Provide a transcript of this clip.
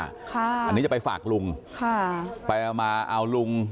อันนี้จะไปฝากลุงค่ะไปเอามาเอาลุง